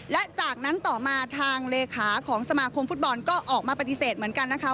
และจากนั้นต่อมาทางเลขาของสมาคมฟุตบอลก็ออกมาปฏิเสธเหมือนกันนะคะ